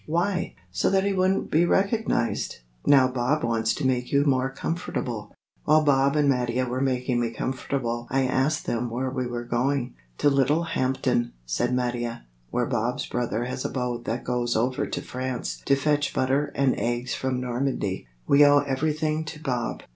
Why?" "So that he wouldn't be recognized. Now Bob wants to make you more comfortable." While Bob and Mattia were making me comfortable I asked them where we were going. "To Little Hampton," said Mattia, "where Bob's brother has a boat that goes over to France to fetch butter and eggs from Normandy. We owe everything to Bob.